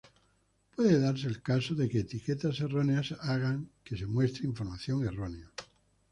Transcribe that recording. Puede darse el caso de que etiquetas erróneas hagan que se muestre información errónea.